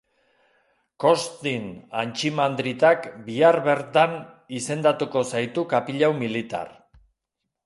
Kosztin artximandritak bihar bertan izendatuko zaitu kapilau militar.